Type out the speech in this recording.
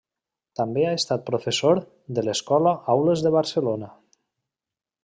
També ha estat professor de l'escola Aules de Barcelona.